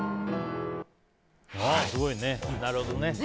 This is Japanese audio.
すごいね、なるほどね。